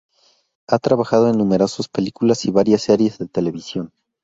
Ha trabajado en numerosas películas y varias series de televisión.